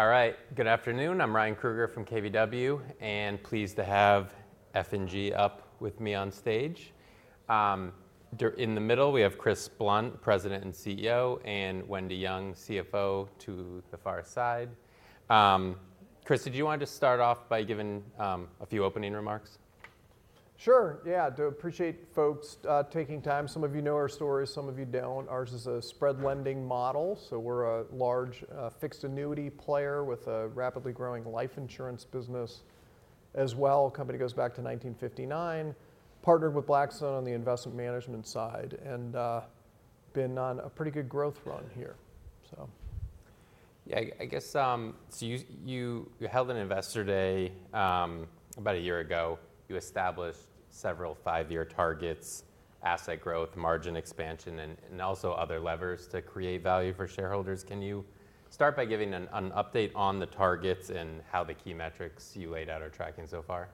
All right. Good afternoon. I'm Ryan Kruger from KBW, and pleased to have F&G up with me on stage. In the middle, we have Chris Blunt, President and CEO, and Wendy Young, CFO, to the far side. Chris, did you want to just start off by giving a few opening remarks? Sure, yeah. Do appreciate folks taking time. Some of you know our story, some of you don't. Ours is a spread lending model, so we're a large fixed annuity player with a rapidly growing life insurance business as well. Company goes back to 1959, partnered with Blackstone on the investment management side, and been on a pretty good growth run here, so. Yeah, I guess, so you held an investor day about a year ago. You established several five-year targets, asset growth, margin expansion, and also other levers to create value for shareholders. Can you start by giving an update on the targets and how the key metrics you laid out are tracking so far?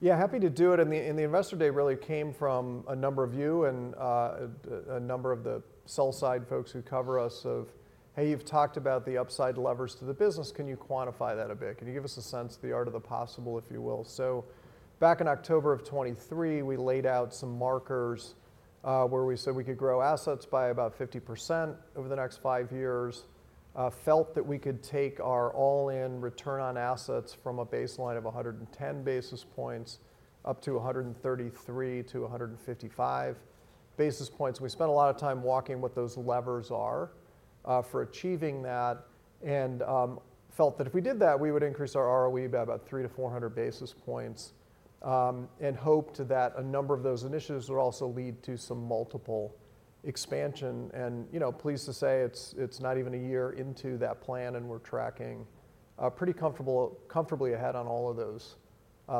Yeah, happy to do it, and the investor day really came from a number of you and a number of the sell side folks who cover us of, "Hey, you've talked about the upside levers to the business. Can you quantify that a bit? Can you give us a sense of the art of the possible, if you will?" So back in October 2023, we laid out some markers, where we said we could grow assets by about 50% over the next five years. Felt that we could take our all-in return on assets from a baseline of 110 basis points up to 133-155 basis points. We spent a lot of time walking what those levers are for achieving that and felt that if we did that we would increase our ROE by about three to four hundred basis points. We hoped that a number of those initiatives would also lead to some multiple expansion. You know, pleased to say, it's not even a year into that plan and we're tracking pretty comfortably ahead on all of those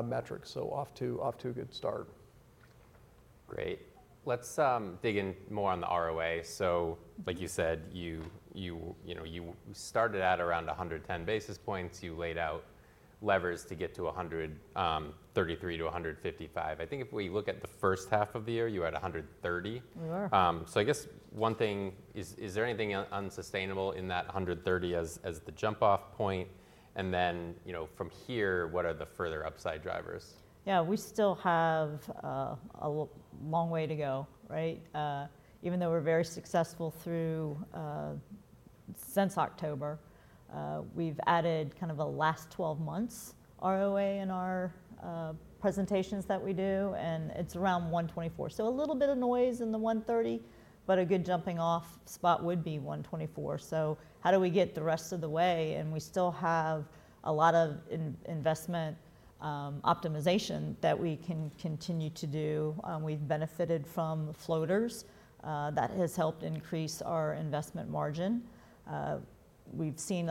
metrics. We're off to a good start. Great. Let's dig in more on the ROA. So like you said, you know, you started at around 110 basis points. You laid out levers to get to 133-155. I think if we look at the first half of the year, you had 130. We were. So I guess one thing, is there anything unsustainable in that 130 as the jump-off point? And then, you know, from here, what are the further upside drivers? Yeah, we still have a long way to go, right? Even though we're very successful through since October, we've added kind of a last twelve months ROA in our presentations that we do, and it's around 1.24. So a little bit of noise in the 1.30, but a good jumping-off spot would be 1.24. So how do we get the rest of the way? And we still have a lot of investment optimization that we can continue to do. We've benefited from floaters. That has helped increase our investment margin. We've seen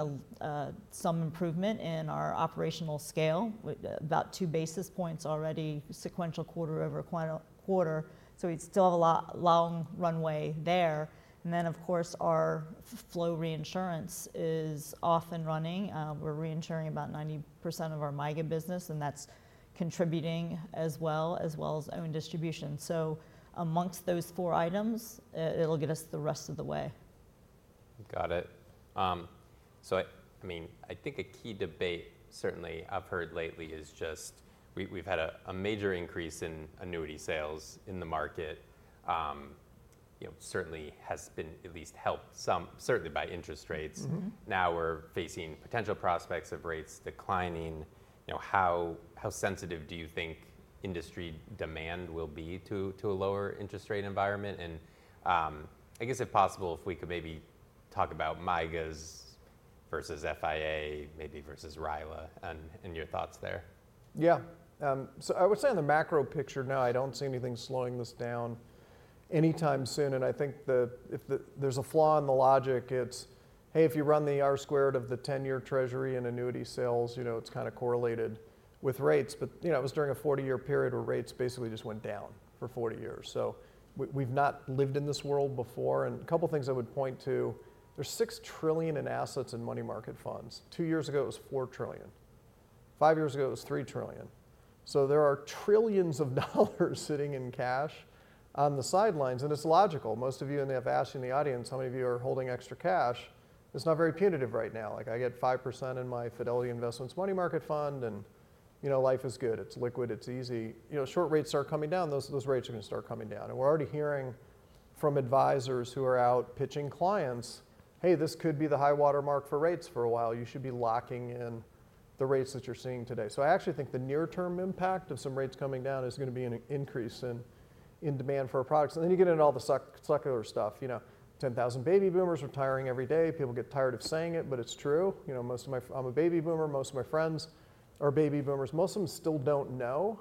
some improvement in our operational scale, about two basis points already, sequential quarter over quarter, so we still have a long runway there. And then, of course, our flow reinsurance is off and running. We're reinsuring about 90% of our MYGA business, and that's contributing as well, as well as own distribution. Amongst those four items, it'll get us the rest of the way. Got it. So I mean, I think a key debate, certainly I've heard lately, is just we've had a major increase in annuity sales in the market. You know, certainly has been at least helped some, certainly by interest rates. Mm-hmm. Now, we're facing potential prospects of rates declining. You know, how sensitive do you think industry demand will be to a lower interest rate environment? And, I guess, if possible, if we could maybe talk about MYGAs versus FIA, maybe versus RILA, and your thoughts there. Yeah. So I would say in the macro picture, no, I don't see anything slowing this down anytime soon, and I think if there's a flaw in the logic, it's, hey, if you run the R-squared of the 10-year Treasury and annuity sales, you know, it's kinda correlated with rates. But, you know, it was during a 40-year period where rates basically just went down for 40 years. So we've not lived in this world before. And a couple things I would point to, there's $6 trillion in assets in money market funds. Two years ago, it was $4 trillion. Five years ago, it was $3 trillion. So there are trillions of dollars sitting in cash on the sidelines, and it's logical. Most of you, and if I ask you in the audience, how many of you are holding extra cash? It's not very punitive right now. Like, I get 5% in my Fidelity Investments Money Market Fund, and, you know, life is good. It's liquid, it's easy. You know, short rates start coming down, those rates are gonna start coming down. And we're already hearing from advisors who are out pitching clients, "Hey, this could be the high-water mark for rates for a while. You should be locking in the rates that you're seeing today." So I actually think the near-term impact of some rates coming down is gonna be an increase in demand for our products. And then you get into all the secular stuff, you know, 10,000 baby boomers retiring every day. People get tired of saying it, but it's true. You know, most of my... I'm a baby boomer, most of my friends are baby boomers. Most of them still don't know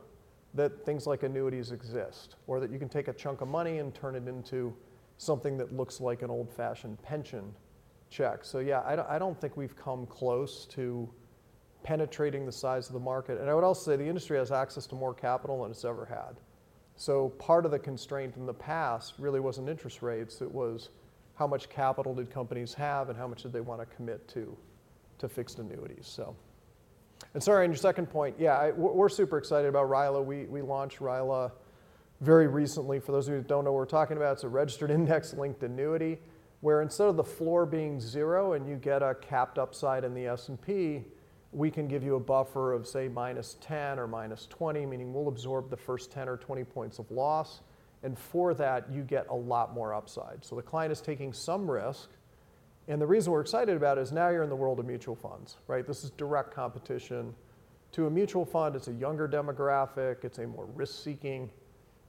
that things like annuities exist, or that you can take a chunk of money and turn it into something that looks like an old-fashioned pension check. So, yeah, I don't think we've come close to penetrating the size of the market. And I would also say the industry has access to more capital than it's ever had. So part of the constraint in the past really wasn't interest rates, it was how much capital did companies have and how much did they wanna commit to fixed annuities, so. And sorry, on your second point, yeah, we're super excited about RILA. We launched RILA very recently. For those of you who don't know what we're talking about, it's a registered index-linked annuity, where instead of the floor being zero and you get a capped upside in the S&P, we can give you a buffer of say, -10 or -20, meaning we'll absorb the first 10 or 20 points of loss, and for that you get a lot more upside. So the client is taking some risk, and the reason we're excited about it is now you're in the world of mutual funds, right? This is direct competition to a mutual fund. It's a younger demographic, it's a more risk-seeking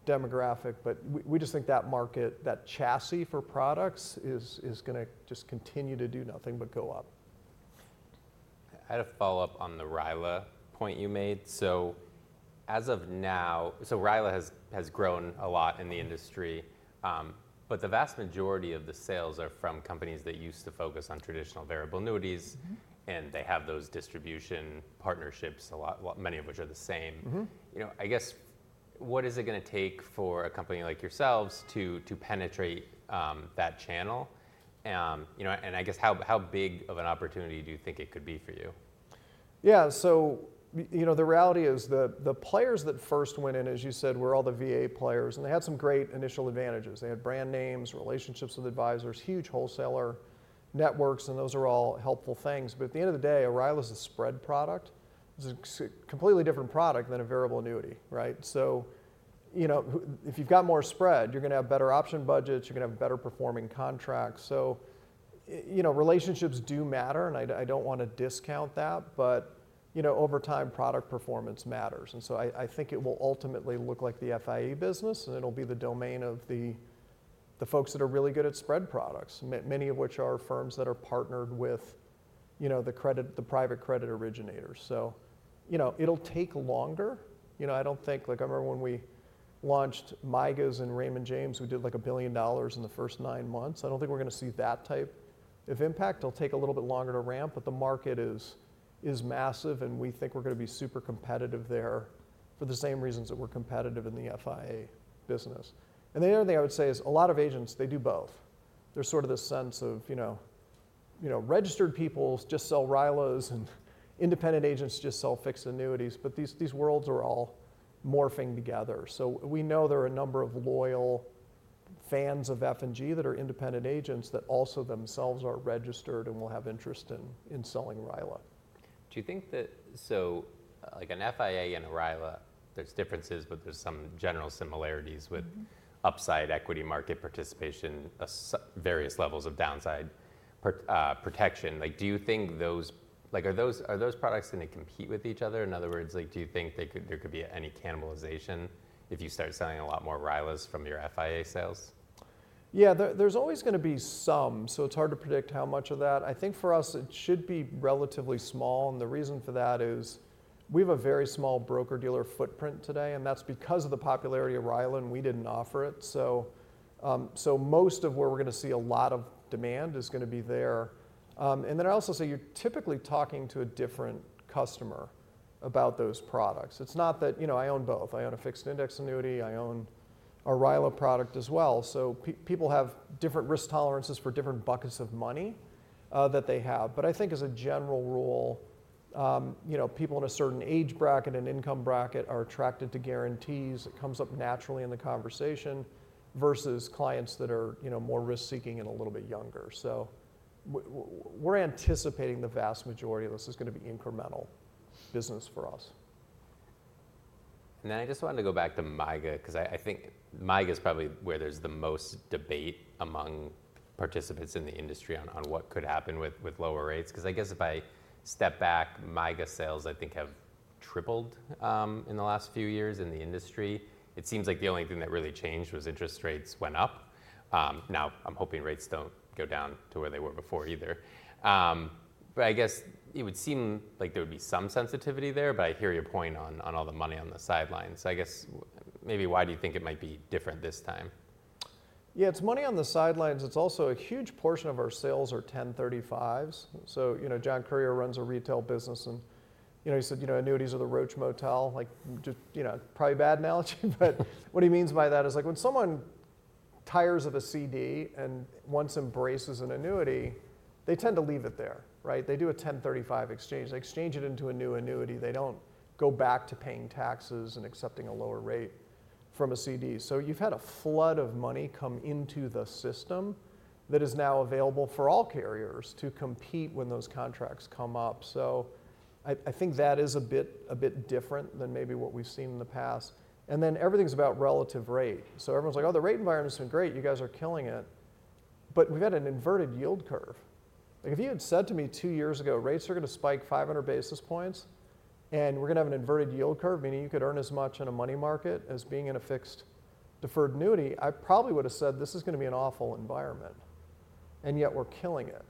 demographic, but we just think that market, that chassis for products is gonna just continue to do nothing but go up. I had a follow-up on the RILA point you made. So as of now, so RILA has grown a lot in the industry, but the vast majority of the sales are from companies that used to focus on traditional variable annuities- Mm-hmm. and they have those distribution partnerships a lot, many of which are the same. Mm-hmm. You know, I guess, what is it gonna take for a company like yourselves to penetrate that channel? You know, and I guess how big of an opportunity do you think it could be for you? Yeah, so you know, the reality is the players that first went in, as you said, were all the VA players, and they had some great initial advantages. They had brand names, relationships with advisors, huge wholesaler networks, and those are all helpful things. But at the end of the day, a RILA is a spread product. It's a completely different product than a variable annuity, right? So, you know, if you've got more spread, you're gonna have better option budgets, you're gonna have better performing contracts. So, you know, relationships do matter, and I don't wanna discount that, but, you know, over time, product performance matters. And so I think it will ultimately look like the FIA business, and it'll be the domain of the folks that are really good at spread products, many of which are firms that are partnered with, you know, the private credit originators. So, you know, it'll take longer. You know, I don't think, like, I remember when we launched MYGAs and Raymond James, we did, like, $1 billion in the first nine months. I don't think we're gonna see that type of impact. It'll take a little bit longer to ramp, but the market is massive, and we think we're gonna be super competitive there for the same reasons that we're competitive in the FIA business. And the other thing I would say is a lot of agents, they do both. There's sort of this sense of, you know, you know, registered people just sell RILAs, and independent agents just sell fixed annuities, but these worlds are all morphing together. So we know there are a number of loyal fans of F&G that are independent agents that also themselves are registered and will have interest in selling RILA. Do you think that... So, like, an FIA and a RILA, there's differences, but there's some general similarities with- Mm-hmm. upside equity, market participation, as various levels of downside protection. Like, do you think those, like, are those products gonna compete with each other? In other words, like, do you think there could be any cannibalization if you started selling a lot more RILAs from your FIA sales? Yeah, there, there's always gonna be some, so it's hard to predict how much of that. I think for us it should be relatively small, and the reason for that is we have a very small broker-dealer footprint today, and that's because of the popularity of RILA, and we didn't offer it. So, so most of where we're gonna see a lot of demand is gonna be there. And then I'd also say you're typically talking to a different customer about those products. It's not that... You know, I own both. I own a fixed index annuity, I own a RILA product as well. So people have different risk tolerances for different buckets of money, that they have. But I think as a general rule, you know, people in a certain age bracket and income bracket are attracted to guarantees. It comes up naturally in the conversation, versus clients that are, you know, more risk-seeking and a little bit younger. So we're anticipating the vast majority of this is gonna be incremental business for us. And then I just wanted to go back to MYGA, 'cause I think MYGA is probably where there's the most debate among participants in the industry on what could happen with lower rates. 'Cause I guess if I step back, MYGA sales, I think, have tripled in the last few years in the industry. It seems like the only thing that really changed was interest rates went up. Now, I'm hoping rates don't go down to where they were before either. But I guess it would seem like there would be some sensitivity there, but I hear your point on all the money on the sidelines. So I guess maybe why do you think it might be different this time? Yeah, it's money on the sidelines. It's also a huge portion of our sales are 1035s. So, you know, John Currier runs a retail business, and, you know, he said, you know, "Annuities are the roach motel." Like, just, you know, probably a bad analogy, but what he means by that is, like, when someone tires of a CD and wants to embrace an annuity, they tend to leave it there, right? They do a 1035 exchange. They exchange it into a new annuity. They don't go back to paying taxes and accepting a lower rate from a CD. So you've had a flood of money come into the system that is now available for all carriers to compete when those contracts come up. So I think that is a bit different than maybe what we've seen in the past. And then everything's about relative rate. Everyone's like: "Oh, the rate environment's been great, you guys are killing it." But we've had an inverted yield curve. Like, if you had said to me two years ago, rates are gonna spike 500 basis points, and we're gonna have an inverted yield curve, meaning you could earn as much in a money market as being in a fixed deferred annuity, I probably would have said, "This is gonna be an awful environment," and yet we're killing it.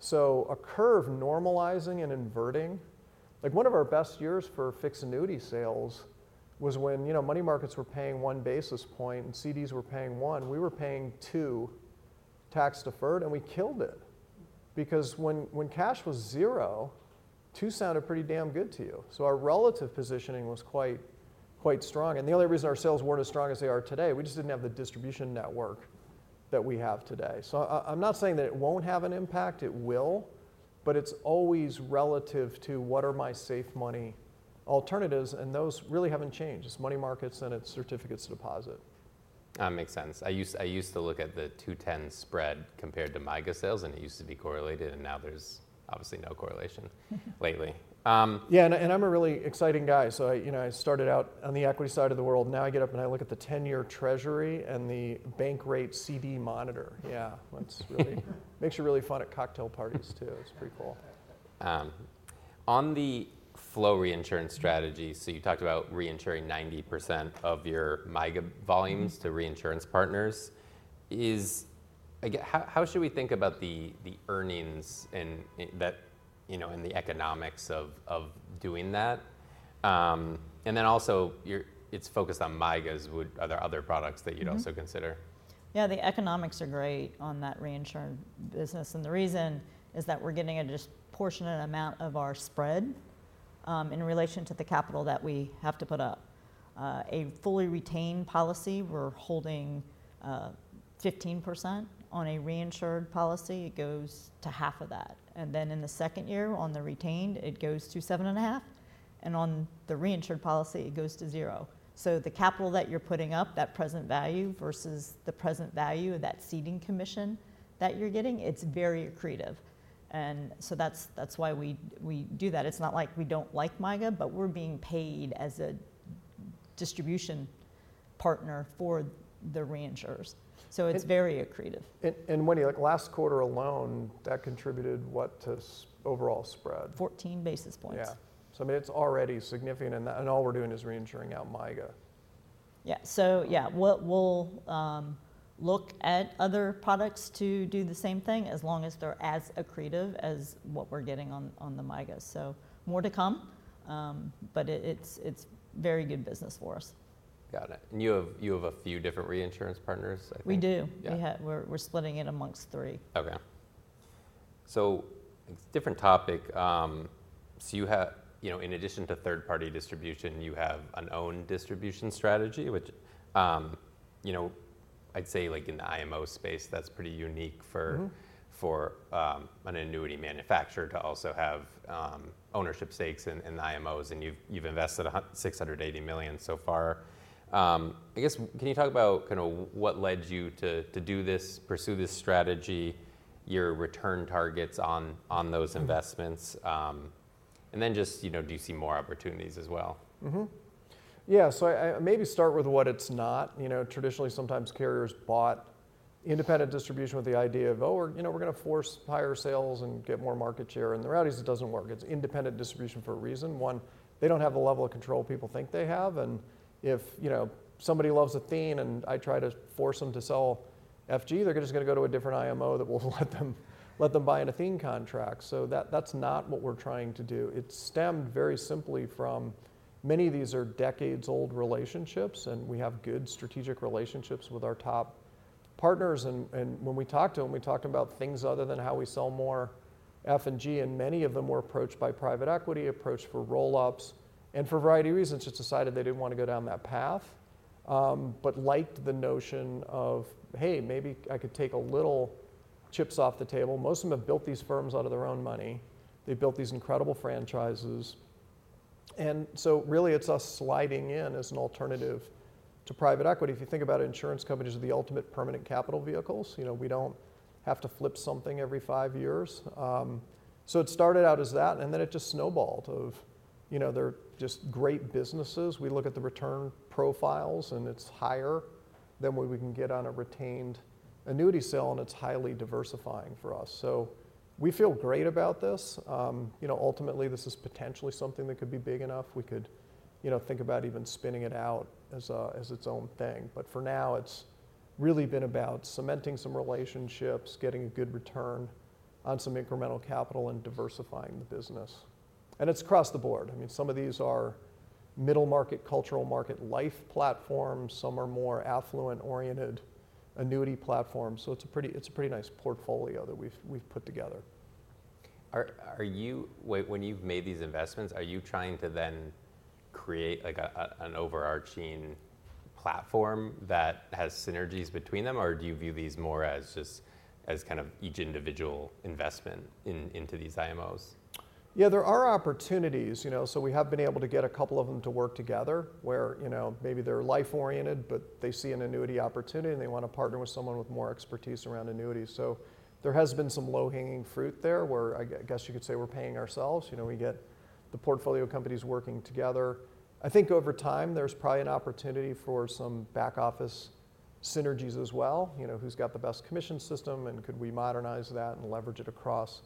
So a curve normalizing and inverting. Like, one of our best years for fixed annuity sales was when, you know, money markets were paying one basis point and CDs were paying one. We were paying two, tax-deferred, and we killed it because when cash was zero, two sounded pretty damn good to you. So our relative positioning was quite, quite strong, and the only reason our sales weren't as strong as they are today, we just didn't have the distribution network that we have today. So I, I'm not saying that it won't have an impact, it will, but it's always relative to what are my safe money alternatives, and those really haven't changed. It's money markets, and it's certificates of deposit. That makes sense. I used to look at the two ten spread compared to MYGA sales, and it used to be correlated, and now there's obviously no correlation lately. Yeah, and I'm a really exciting guy, so you know, I started out on the equity side of the world. Now I get up and I look at the Ten-Year Treasury and the Bankrate CD monitor. Yeah, that's really. Makes you really fun at cocktail parties, too. It's pretty cool. On the flow reinsurance strategy, so you talked about reinsuring 90% of your MYGA volumes. Mm-hmm. to reinsurance partners. Again, how should we think about the earnings and the economics of doing that, you know? And then also, it's focused on MYGAs. Are there other products that you'd also consider? Mm-hmm. Yeah, the economics are great on that reinsurance business, and the reason is that we're getting a disproportionate amount of our spread in relation to the capital that we have to put up. A fully retained policy, we're holding 15%. On a reinsured policy, it goes to half of that, and then in the second year on the retained, it goes to 7.5%, and on the reinsured policy, it goes to zero. So the capital that you're putting up, that present value, versus the present value of that ceding commission that you're getting, it's very accretive. And so that's why we do that. It's not like we don't like MYGA, but we're being paid as a distribution partner for the reinsurers, so it's very accretive. Wendy, like last quarter alone, that contributed what to overall spread? 14 basis points. Yeah. So I mean, it's already significant, and that, and all we're doing is reinsuring out MYGA. Yeah. So yeah, we'll look at other products to do the same thing, as long as they're as accretive as what we're getting on the MYGA. So more to come, but it's very good business for us. Got it. And you have a few different reinsurance partners, I think? We do. Yeah. We're splitting it amongst three. Okay. So different topic. You know, in addition to third-party distribution, you have your own distribution strategy, which, you know, I'd say like in the IMO space, that's pretty unique for- Mm-hmm... for an annuity manufacturer to also have ownership stakes in the IMOs, and you've invested $680 million so far. I guess, can you talk about what led you to do this, pursue this strategy, your return targets on those investments? And then just, you know, do you see more opportunities as well? Mm-hmm. Yeah, so I maybe start with what it's not. You know, traditionally, sometimes carriers bought independent distribution with the idea of, "Oh, we're, you know, we're going to force higher sales and get more market share," and the reality is, it doesn't work. It's independent distribution for a reason. One, they don't have the level of control people think they have, and if, you know, somebody loves Athene, and I try to force them to sell F&G, they're just going to go to a different IMO that will let them buy an Athene contract. So that, that's not what we're trying to do. It stemmed very simply from many of these are decades-old relationships, and we have good strategic relationships with our top partners, and when we talked to them, we talked about things other than how we sell more F&G, and many of them were approached by private equity, approached for roll-ups, and for a variety of reasons, just decided they didn't want to go down that path. But liked the notion of, hey, maybe I could take a little chips off the table. Most of them have built these firms out of their own money. They built these incredible franchises, and so really, it's us sliding in as an alternative to private equity. If you think about it, insurance companies are the ultimate permanent capital vehicles. You know, we don't have to flip something every five years. So it started out as that, and then it just snowballed off, you know, they're just great businesses. We look at the return profiles, and it's higher than what we can get on a retained annuity sale, and it's highly diversifying for us. So we feel great about this. You know, ultimately, this is potentially something that could be big enough. We could, you know, think about even spinning it out as a, as its own thing. But for now, it's really been about cementing some relationships, getting a good return on some incremental capital, and diversifying the business. And it's across the board. I mean, some of these are middle market, corporate market, life platforms, some are more affluent-oriented annuity platforms, so it's a pretty nice portfolio that we've put together. Are you... When you've made these investments, are you trying to then create, like an overarching platform that has synergies between them, or do you view these more as just, as kind of each individual investment into these IMOs? Yeah, there are opportunities, you know, so we have been able to get a couple of them to work together, where, you know, maybe they're life-oriented, but they see an annuity opportunity, and they want to partner with someone with more expertise around annuities. So there has been some low-hanging fruit there, where I guess you could say we're paying ourselves. You know, we get the portfolio companies working together. I think over time, there's probably an opportunity for some back-office synergies as well. You know, who's got the best commission system, and could we modernize that and leverage it across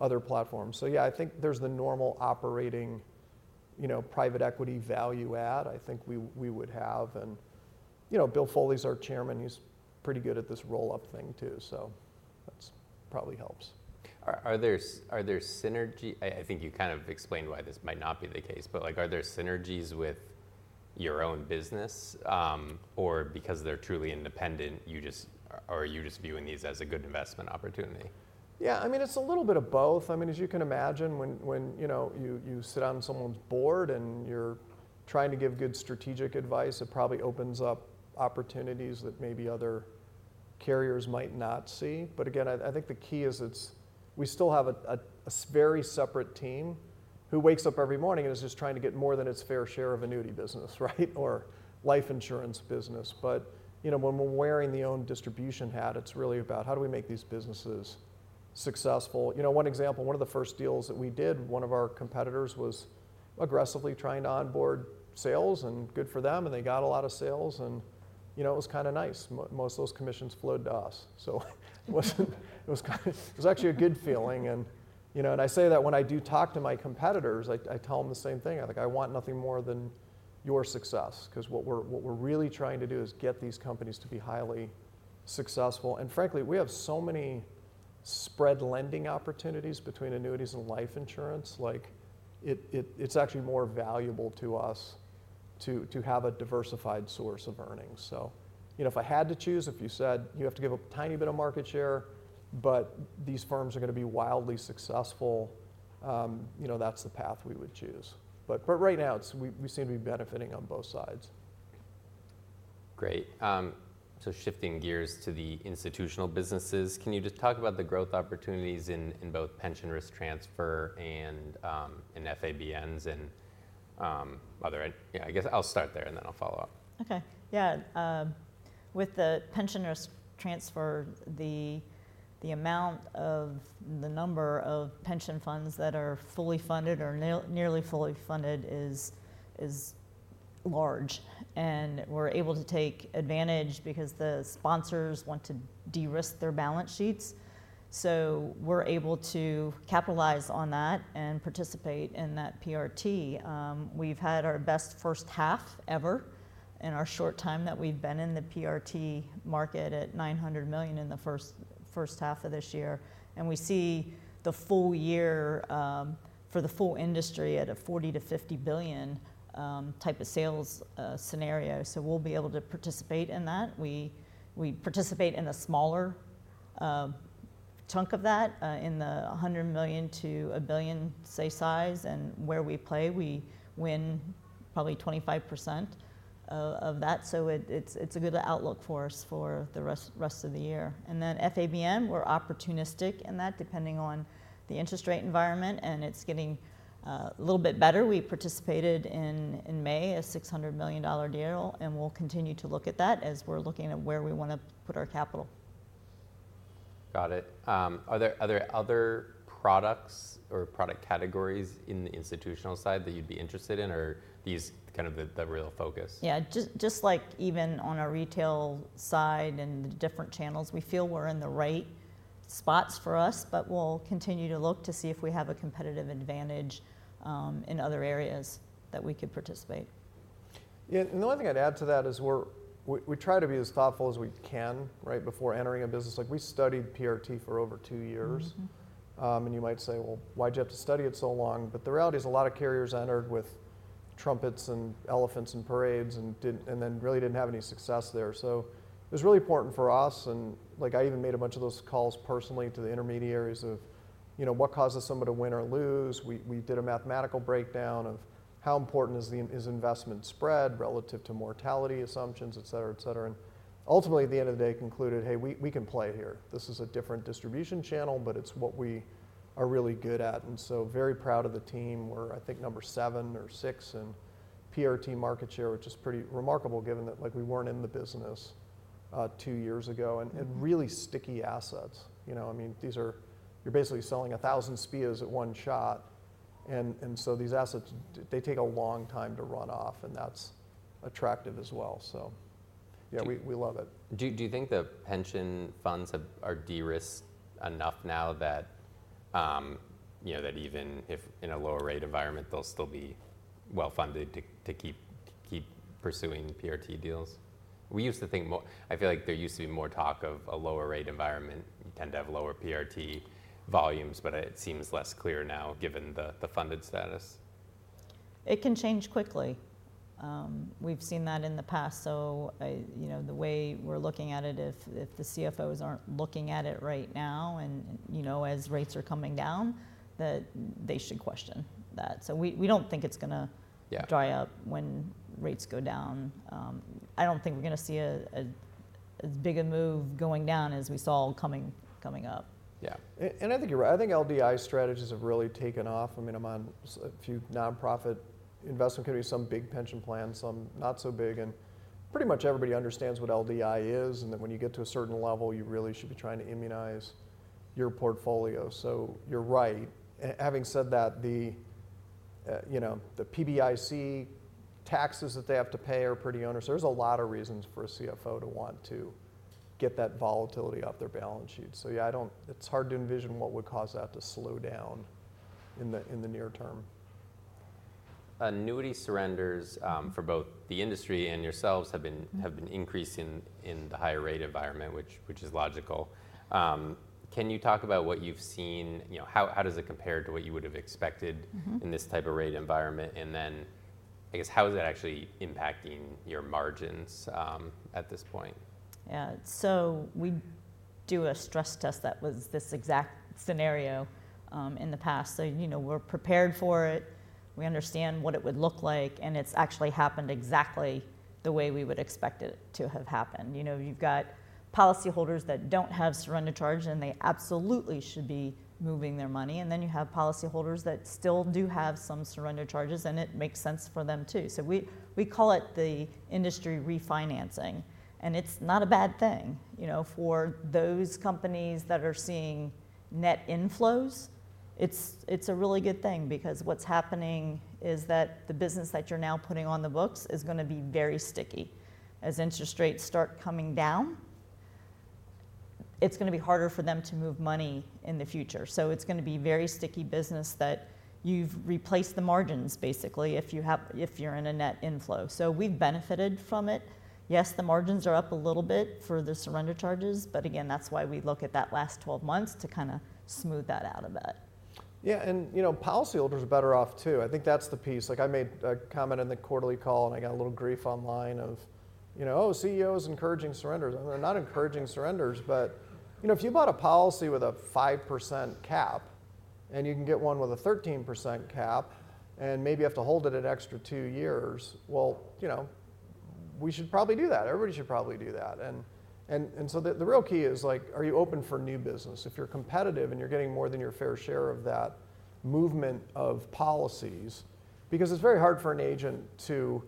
other platforms? So yeah, I think there's the normal operating, you know, private equity value add, I think we, we would have. You know, Bill Foley is our chairman. He's pretty good at this roll-up thing, too, so that's probably helps. Are there synergies? I think you kind of explained why this might not be the case, but like, are there synergies with your own business? Or because they're truly independent, are you just viewing these as a good investment opportunity? Yeah, I mean, it's a little bit of both. I mean, as you can imagine, when, you know, you sit on someone's board and you're trying to give good strategic advice, it probably opens up opportunities that maybe other carriers might not see. But again, I think the key is we still have a very separate team who wakes up every morning and is just trying to get more than its fair share of annuity business, right or life insurance business. But, you know, when we're wearing our own distribution hat, it's really about: How do we make these businesses successful? You know, one example, one of the first deals that we did, one of our competitors was aggressively trying to onboard sales, and good for them, and they got a lot of sales, and, you know, it was kinda nice. Most of those commissions flowed to us. So it wasn't. It was actually a good feeling, and, you know, and I say that when I do talk to my competitors, I tell them the same thing. I like, "I want nothing more than your success," 'cause what we're really trying to do is get these companies to be highly successful. And frankly, we have so many spread lending opportunities between annuities and life insurance, like, it's actually more valuable to us to have a diversified source of earnings. So, you know, if I had to choose, if you said, "You have to give a tiny bit of market share, but these firms are gonna be wildly successful," you know, that's the path we would choose. But right now, it's... We seem to be benefiting on both sides. Great. So shifting gears to the institutional businesses, can you just talk about the growth opportunities in both pension risk transfer and in FABNs and other? Yeah, I guess I'll start there, and then I'll follow up. Okay. Yeah, with the pension risk transfer, the amount of the number of pension funds that are fully funded or nearly fully funded is large, and we're able to take advantage because the sponsors want to de-risk their balance sheets. So we're able to capitalize on that and participate in that PRT. We've had our best first half ever in our short time that we've been in the PRT market at $900 million in the first half of this year, and we see the full year for the full industry at a $40-$50 billion type of sales scenario. So we'll be able to participate in that. We participate in a smaller chunk of that, in the $100 million-$1 billion, say, size. And where we play, we win probably 25% of that, so it's a good outlook for us for the rest of the year. And then FABN, we're opportunistic in that, depending on the interest rate environment, and it's getting a little bit better. We participated in May a $600 million deal, and we'll continue to look at that as we're looking at where we want to put our capital. Got it. Are there other products or product categories in the institutional side that you'd be interested in, or are these kind of the real focus? Yeah, just, just like even on our retail side and the different channels, we feel we're in the right spots for us, but we'll continue to look to see if we have a competitive advantage in other areas that we could participate. Yeah, and the only thing I'd add to that is we're. We try to be as thoughtful as we can, right, before entering a business. Like, we studied PRT for over two years. Mm-hmm. And you might say, "Well, why'd you have to study it so long?" But the reality is a lot of carriers entered with trumpets and elephants and parades and didn't... and then really didn't have any success there. So it was really important for us, and like, I even made a bunch of those calls personally to the intermediaries of, you know, what causes someone to win or lose. We did a mathematical breakdown of how important is the investment spread relative to mortality assumptions, et cetera, et cetera. And ultimately, at the end of the day, concluded, "Hey, we can play here." This is a different distribution channel, but it's what we are really good at, and so very proud of the team. We're, I think, number seven or six in PRT market share, which is pretty remarkable given that, like, we weren't in the business two years ago. Mm-hmm. And really sticky assets, you know. I mean, these are... You're basically selling a thousand SPIAs at one shot, and so these assets, they take a long time to run off, and that's attractive as well. So yeah, we love it. Do you think the pension funds have are de-risked enough now that you know that even if in a lower rate environment they'll still be well-funded to keep pursuing PRT deals? We used to think I feel like there used to be more talk of a lower rate environment. You tend to have lower PRT volumes but it seems less clear now given the funded status. It can change quickly. We've seen that in the past, so, you know, the way we're looking at it, if the CFOs aren't looking at it right now, and, you know, as rates are coming down, that they should question that. So we don't think it's gonna- Yeah... dry up when rates go down. I don't think we're gonna see as big a move going down as we saw coming up. Yeah. I think you're right. I think LDI strategies have really taken off. I mean, I'm on a few nonprofit investment committees, some big pension plans, some not so big, and pretty much everybody understands what LDI is, and that when you get to a certain level, you really should be trying to immunize your portfolio. So you're right. Having said that, you know, the PBGC taxes that they have to pay are pretty onerous. There's a lot of reasons for a CFO to want to get that volatility off their balance sheet. So yeah, I don't. It's hard to envision what would cause that to slow down in the near term. Annuity surrenders, for both the industry and yourselves have been- Mm... have been increasing in the higher rate environment, which is logical. Can you talk about what you've seen, you know, how does it compare to what you would have expected- Mm-hmm... in this type of rate environment? And then, I guess, how is it actually impacting your margins at this point? Yeah, so we do a stress test that was this exact scenario in the past. So, you know, we're prepared for it. We understand what it would look like, and it's actually happened exactly the way we would expect it to have happened. You know, you've got policyholders that don't have surrender charge, and they absolutely should be moving their money. And then you have policyholders that still do have some surrender charges, and it makes sense for them, too. So we call it the industry refinancing, and it's not a bad thing. You know, for those companies that are seeing net inflows, it's a really good thing because what's happening is that the business that you're now putting on the books is gonna be very sticky. As interest rates start coming down, it's gonna be harder for them to move money in the future. So it's gonna be very sticky business that you've replaced the margins, basically, if you're in a net inflow. So we've benefited from it. Yes, the margins are up a little bit for the surrender charges, but again, that's why we look at that last twelve months to kinda smooth that out a bit. Yeah, and, you know, policyholders are better off, too. I think that's the piece. Like, I made a comment in the quarterly call, and I got a little grief online of, you know, "Oh, CEO is encouraging surrenders." We're not encouraging surrenders, but, you know, if you bought a policy with a 5% cap, and you can get one with a 13% cap, and maybe you have to hold it an extra two years, well, you know, we should probably do that. Everybody should probably do that. And so the real key is, like, are you open for new business? If you're competitive and you're getting more than your fair share of that movement of policies. Because it's very hard for an agent to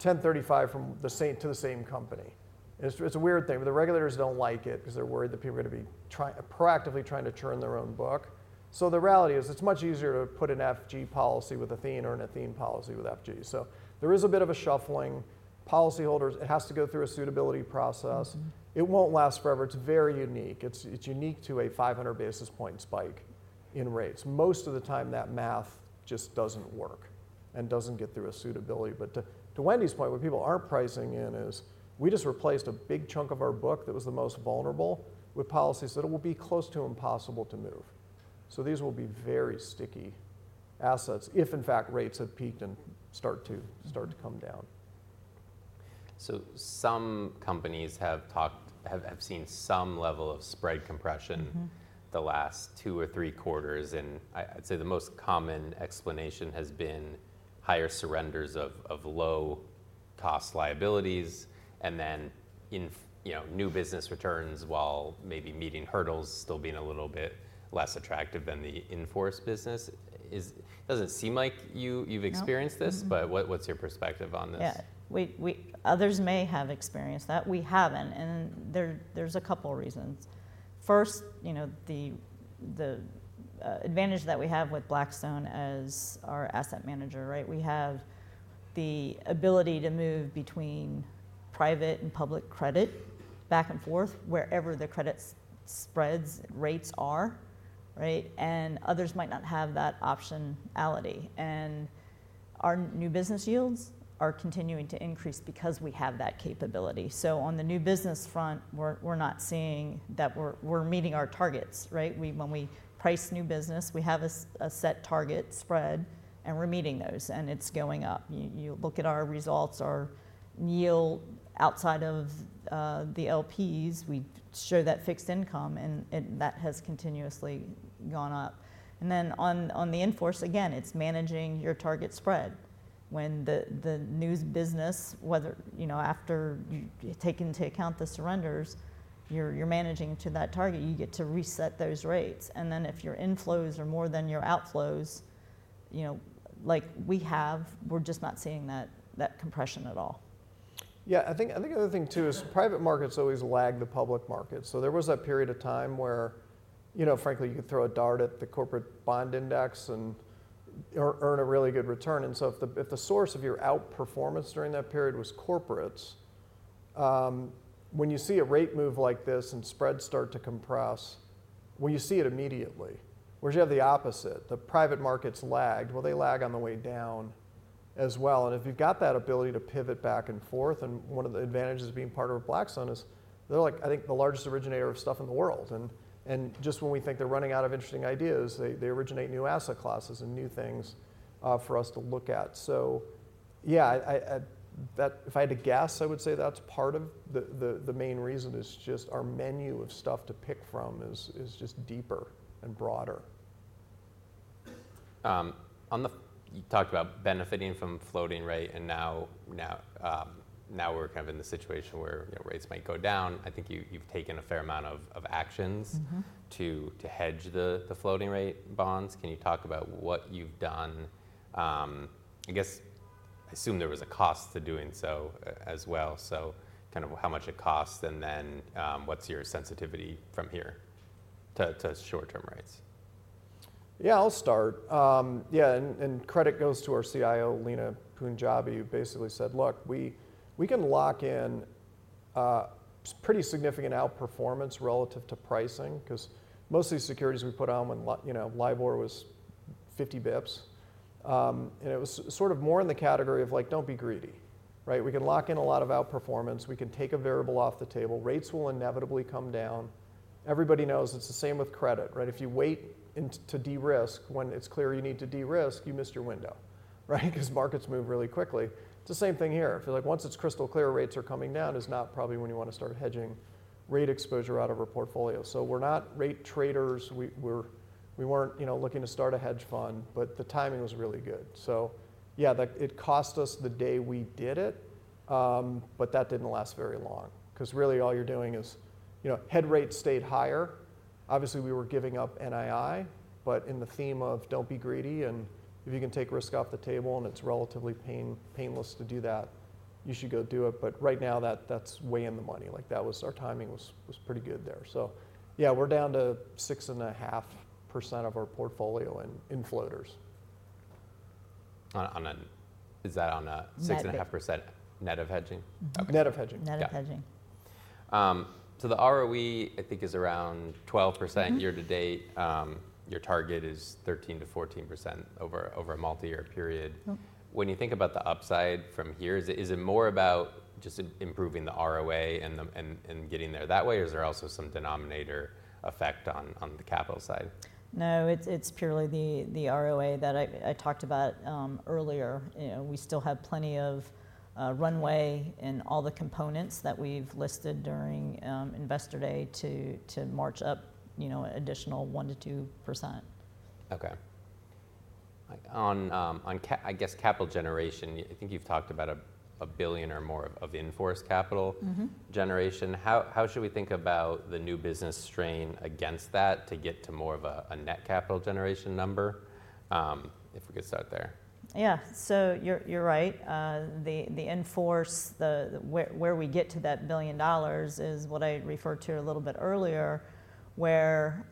1035 from the same, to the same company. It's a weird thing, but the regulators don't like it 'cause they're worried that people are gonna be proactively trying to churn their own book. So the reality is, it's much easier to put an FG policy with Athene or an Athene policy with FG. So there is a bit of a shuffling. Policyholders, it has to go through a suitability process. Mm-hmm. It won't last forever. It's very unique. It's, it's unique to a 500 basis point spike in rates. Most of the time, that math just doesn't work and doesn't get through a suitability. But to, to Wendy's point, what people aren't pricing in is, we just replaced a big chunk of our book that was the most vulnerable with policies that it will be close to impossible to move. So these will be very sticky assets, if in fact, rates have peaked and start to- Mm-hmm... start to come down. Some companies have talked, have seen some level of spread compression- Mm-hmm... the last two or three quarters, and I, I'd say the most common explanation has been higher surrenders of low-cost liabilities, and then in F&G, you know, new business returns, while maybe meeting hurdles, still being a little bit less attractive than the in-force business. Does it seem like you, you've experienced this? No. Mm-hmm. But what, what's your perspective on this? Yeah, others may have experienced that. We haven't, and there's a couple reasons. First, you know, the advantage that we have with Blackstone as our asset manager, right? We have the ability to move between private and public credit, back and forth, wherever the credit spreads rates are, right? And others might not have that optionality. And our new business yields are continuing to increase because we have that capability. So on the new business front, we're meeting our targets, right? When we price new business, we have a set target spread, and we're meeting those, and it's going up. You look at our results, our yield outside of the LPs, we show that fixed income, and that has continuously gone up. And then on the in-force, again, it's managing your target spread. When the new business, whether, you know, after you take into account the surrenders, you're managing to that target, you get to reset those rates. And then if your inflows are more than your outflows, you know, like we have, we're just not seeing that compression at all. Yeah, I think, I think the other thing, too, is private markets always lag the public markets. So there was that period of time where, you know, frankly, you could throw a dart at the corporate bond index and earn a really good return. And so if the, if the source of your outperformance during that period was corporates, when you see a rate move like this and spreads start to compress, well, you see it immediately. Whereas you have the opposite, the private markets lagged. Well, they lag on the way down as well. And if you've got that ability to pivot back and forth, and one of the advantages of being part of Blackstone is they're like, I think, the largest originator of stuff in the world. Just when we think they're running out of interesting ideas, they originate new asset classes and new things for us to look at. So yeah, if I had to guess, I would say that's part of the main reason is just our menu of stuff to pick from is just deeper and broader. You talked about benefiting from floating rate, and now we're kind of in the situation where, you know, rates might go down. I think you've taken a fair amount of actions- Mm-hmm... to hedge the floating-rate bonds. Can you talk about what you've done? I guess, I assume there was a cost to doing so as well, so kind of how much it costs, and then, what's your sensitivity from here to short-term rates? Yeah, I'll start. Yeah, and credit goes to our CIO, Leena Punjabi, who basically said: "Look, we can lock in pretty significant outperformance relative to pricing," 'cause most of these securities we put on when you know, LIBOR was 50 basis points. And it was sort of more in the category of, like, don't be greedy, right? We can lock in a lot of outperformance. We can take a variable off the table. Rates will inevitably come down. Everybody knows it's the same with credit, right? If you wait and to de-risk, when it's clear you need to de-risk, you missed your window... right? 'Cause markets move really quickly. It's the same thing here. I feel like once it's crystal clear rates are coming down is not probably when you want to start hedging rate exposure out of a portfolio. So we're not rate traders. We weren't, you know, looking to start a hedge fund, but the timing was really good. So yeah, it cost us the day we did it, but that didn't last very long, 'cause really all you're doing is you know, hedge rates stayed higher. Obviously, we were giving up NII, but in the theme of don't be greedy, and if you can take risk off the table and it's relatively painless to do that, you should go do it. But right now, that's way in the money. Like, that was. Our timing was pretty good there. So yeah, we're down to 6.5% of our portfolio in floaters. Is that on a? Net. 6.5% net of hedging? Mm-hmm. Net of hedging. Got it. Net of hedging. So the ROE, I think, is around 12%- Mm-hmm... year to date. Your target is 13%-14% over a multi-year period. Mm. When you think about the upside from here, is it more about just improving the ROA and getting there that way, or is there also some denominator effect on the capital side? No, it's purely the ROA that I talked about earlier. You know, we still have plenty of runway in all the components that we've listed during Investor Day to march up, you know, additional 1%-2%. Okay. Like, on capital generation, you I think you've talked about a billion or more of in-force capital- Mm-hmm... generation. How, how should we think about the new business strain against that to get to more of a net capital generation number? If we could start there. Yeah. So you're right. The in-force, where we get to that billion dollars is what I referred to a little bit earlier, where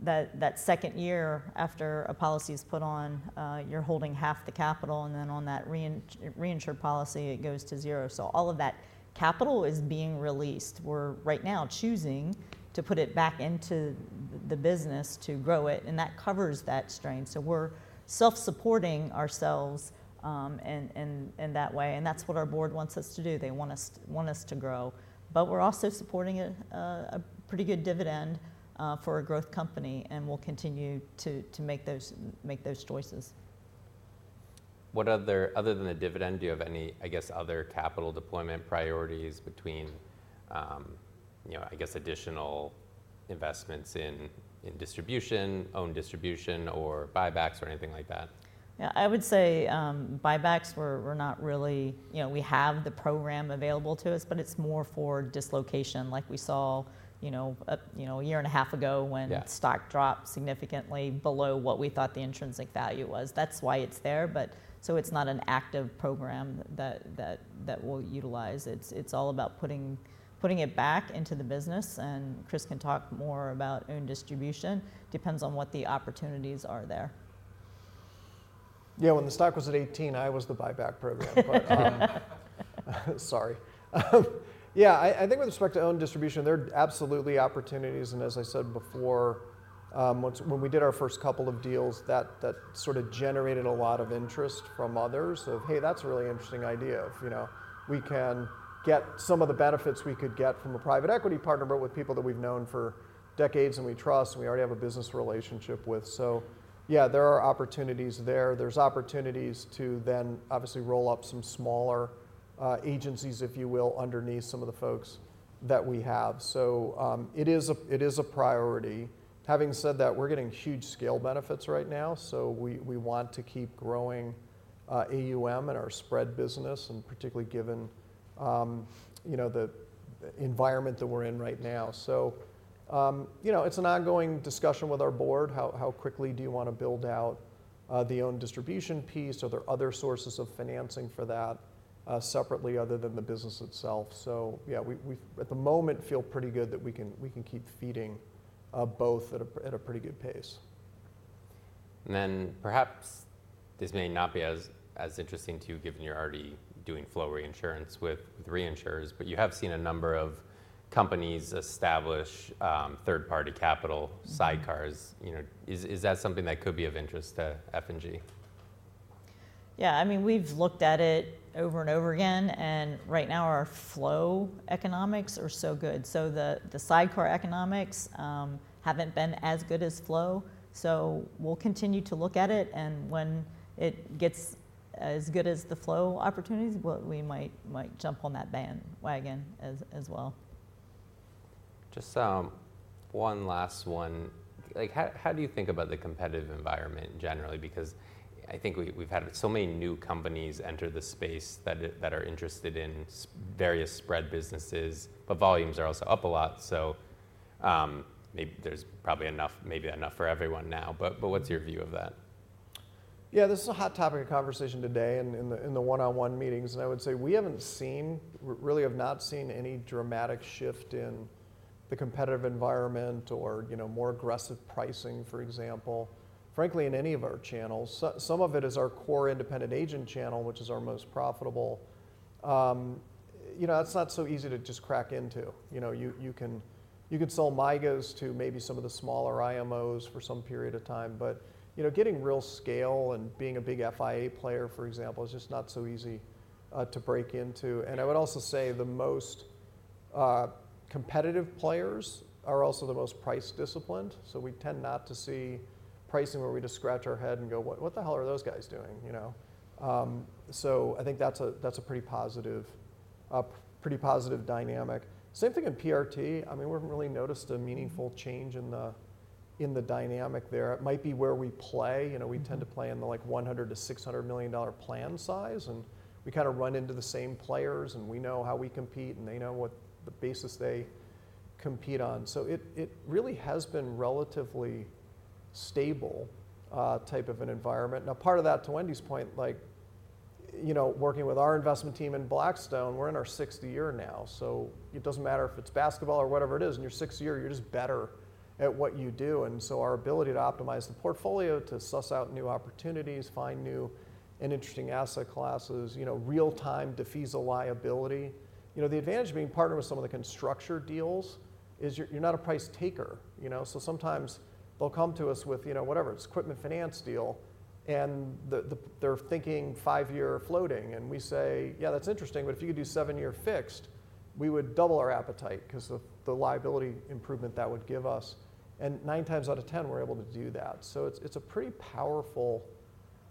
that second year after a policy is put on, you're holding half the capital, and then on that reinsured policy, it goes to zero. So all of that capital is being released. We're right now choosing to put it back into the business to grow it, and that covers that strain. So we're self-supporting ourselves in that way, and that's what our board wants us to do. They want us to grow. But we're also supporting a pretty good dividend for a growth company, and we'll continue to make those choices. Other than the dividend, do you have any, I guess, other capital deployment priorities between, you know, I guess, additional investments in distribution, own distribution, or buybacks or anything like that? Yeah, I would say, buybacks we're not really... You know, we have the program available to us, but it's more for dislocation like we saw, you know, a year and a half ago when- Yeah... the stock dropped significantly below what we thought the intrinsic value was. That's why it's there, but so it's not an active program that we'll utilize. It's all about putting it back into the business, and Chris can talk more about own distribution. Depends on what the opportunities are there. Yeah, when the stock was at $18, I was the buyback program. Yeah, I think with respect to own distribution, there are absolutely opportunities, and as I said before, when we did our first couple of deals, that sort of generated a lot of interest from others of, "Hey, that's a really interesting idea," of, you know, we can get some of the benefits we could get from a private equity partner, but with people that we've known for decades, and we trust, and we already have a business relationship with. So yeah, there are opportunities there. There's opportunities to then obviously roll up some smaller agencies, if you will, underneath some of the folks that we have. So, it is a priority. Having said that, we're getting huge scale benefits right now, so we want to keep growing AUM and our spread business, and particularly given, you know, the environment that we're in right now. So, you know, it's an ongoing discussion with our board. How quickly do you want to build out the own distribution piece? Are there other sources of financing for that, separately other than the business itself? So yeah, we at the moment feel pretty good that we can keep feeding both at a pretty good pace. And then perhaps this may not be as interesting to you, given you're already doing flow reinsurance with the reinsurers, but you have seen a number of companies establish third-party capital- Mm-hmm... sidecars. You know, is that something that could be of interest to F&G? Yeah, I mean, we've looked at it over and over again, and right now our flow economics are so good. So the sidecar economics haven't been as good as flow, so we'll continue to look at it, and when it gets as good as the flow opportunities, well, we might jump on that bandwagon as well. Just, one last one. Like, how do you think about the competitive environment generally? Because I think we've had so many new companies enter the space that are interested in various spread businesses, but volumes are also up a lot. So, maybe there's probably enough, maybe enough for everyone now, but what's your view of that? Yeah, this is a hot topic of conversation today in the one-on-one meetings, and I would say we haven't seen, really have not seen any dramatic shift in the competitive environment or, you know, more aggressive pricing, for example, frankly, in any of our channels. So some of it is our core independent agent channel, which is our most profitable. You know, that's not so easy to just crack into. You know, you can sell MYGAs to maybe some of the smaller IMOs for some period of time, but, you know, getting real scale and being a big FIA player, for example, is just not so easy to break into. And I would also say the most-... Competitive players are also the most price disciplined, so we tend not to see pricing where we just scratch our head and go, "What, what the hell are those guys doing?" You know? So I think that's a pretty positive dynamic. Same thing in PRT. I mean, we haven't really noticed a meaningful change in the dynamic there. It might be where we play, you know, we tend to play in the, like, $100 million-$600 million plan size, and we kinda run into the same players, and we know how we compete, and they know what the basis they compete on. So it really has been relatively stable type of an environment. Now, part of that, to Wendy's point, like, you know, working with our investment team in Blackstone, we're in our sixth year now, so it doesn't matter if it's basketball or whatever it is, in your sixth year, you're just better at what you do. And so our ability to optimize the portfolio, to suss out new opportunities, find new and interesting asset classes, you know, real-time defeasance a liability. You know, the advantage of being partnered with some of the structured deals is you're not a price taker, you know. So sometimes they'll come to us with, you know, whatever, it's equipment finance deal, and the they're thinking five-year floating, and we say, "Yeah, that's interesting, but if you could do seven-year fixed, we would double our appetite 'cause of the liability improvement that would give us." And nine times out of ten, we're able to do that. So it's a pretty powerful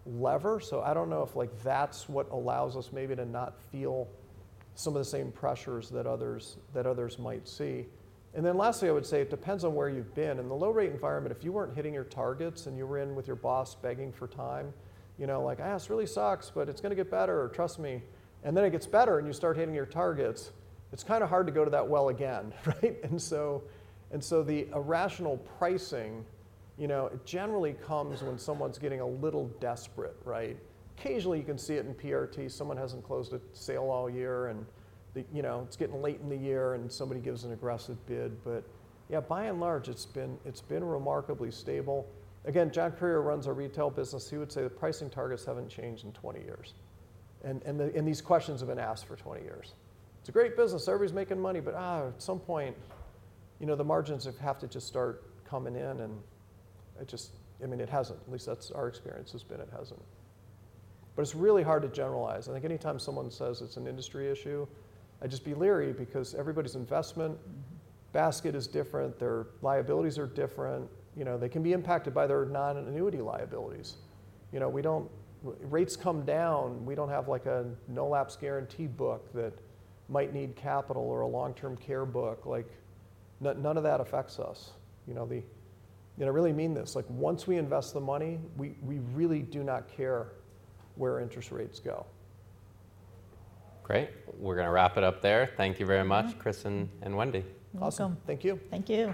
lever, so I don't know if, like, that's what allows us maybe to not feel some of the same pressures that others might see. And then lastly, I would say it depends on where you've been. In the low-rate environment, if you weren't hitting your targets and you were in with your boss begging for time, you know, like, "Ah, this really sucks, but it's gonna get better, trust me." And then it gets better, and you start hitting your targets, it's kinda hard to go to that well again, right? And so, and so the irrational pricing, you know, it generally comes when someone's getting a little desperate, right? Occasionally, you can see it in PRT. Someone hasn't closed a sale all year, and the, you know, it's getting late in the year, and somebody gives an aggressive bid. But yeah, by and large, it's been remarkably stable. Again, John Currier runs our retail business. He would say the pricing targets haven't changed in twenty years, and the questions have been asked for 20 years. It's a great business, everybody's making money, but at some point, you know, the margins have to just start coming in, and it just... I mean, it hasn't. At least that's our experience has been it hasn't. But it's really hard to generalize. I think anytime someone says it's an industry issue, I'd just be leery because everybody's investment basket is different, their liabilities are different, you know, they can be impacted by their non-annuity liabilities. You know, rates come down, we don't have, like, a no-lapse guarantee book that might need capital or a long-term care book. Like, none of that affects us, you know, and I really mean this, like, once we invest the money, we, we really do not care where interest rates go. Great. We're gonna wrap it up there. Thank you very much, Chris and Wendy. Awesome. You're welcome. Thank you. Thank you.